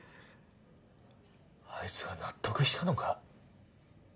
あいつが納得したのか？